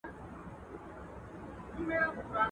چرسي زوى، نه زوى، تارياکي ، دوه په ايکي.